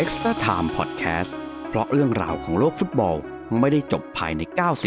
สวัสดีครับทุกคน